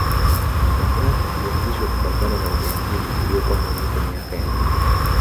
mamlaka ilianzishwa kupambana na ujangili uliopamba moto miaka ya nyuma